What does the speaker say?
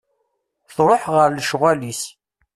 Truḥ ɣer lecɣal-is.